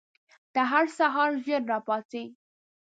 ته هر سهار ژر راپاڅې؟